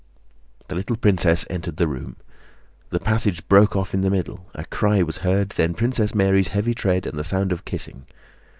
The little princess entered the room. The passage broke off in the middle, a cry was heard, then Princess Mary's heavy tread and the sound of kissing.